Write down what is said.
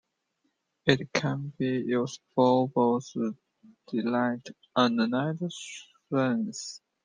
It can be used for both daylight and night scenes.